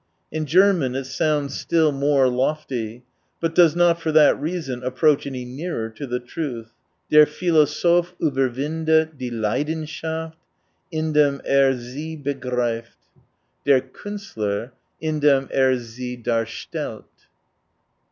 In German it sounds still more lofty : but does not for that reason approach any nearer to the truth. " Der Philosoph Uberwindet die Leidenschaft, indent er sie begreift — der 126 KUnstler, indent er sie darstellt.